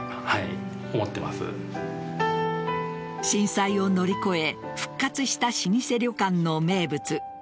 震災を乗り越え、復活した老舗旅館の名物。